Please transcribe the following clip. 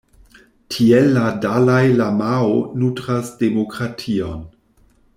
Tiel la dalai-lamao nutras demokration.